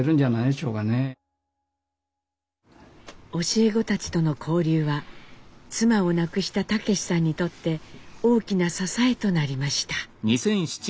教え子たちとの交流は妻を亡くした武さんにとって大きな支えとなりました。